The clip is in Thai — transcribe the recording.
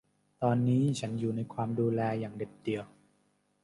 ตอนนี้ฉันอยู่ในความดูแลอย่างเด็ดเดี่ยว